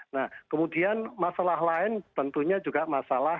nah kemudian masalah lain tentunya juga masalah